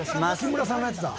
木村さんのやつだ。